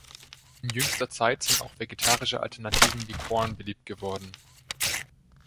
In jüngster Zeit sind auch vegetarische Alternativen wie Quorn beliebt geworden.